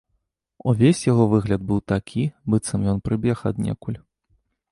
Увесь яго выгляд быў такі, быццам ён прыбег аднекуль.